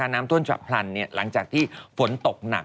น้ำท่วมฉับพลันหลังจากที่ฝนตกหนัก